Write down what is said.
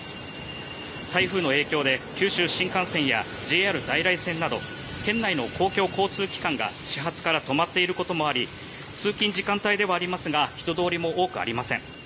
台風の影響で九州新幹線やＪＲ在来線など県内の公共交通機関が始発から止まっていることもあり通勤時間帯ではありますが人通りも多くありません。